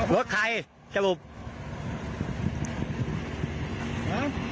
รถใครจริง